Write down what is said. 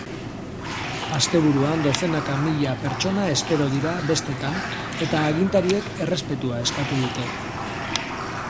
Asteburuan dozenaka mila pertsona espero dira bestetan, eta agintariek errespetua eskatu dute.